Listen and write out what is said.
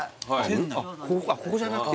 ここじゃなくて？